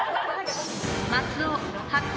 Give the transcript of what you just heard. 松尾発見。